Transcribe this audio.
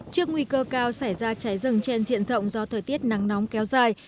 trước nguy cơ cao xảy ra cháy rừng trên diện rộng do thời tiết nắng nóng kéo dài